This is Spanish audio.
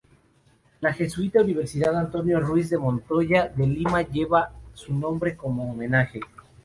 La jesuita Universidad Antonio Ruiz de Montoya de Lima lleva su nombre como homenaje.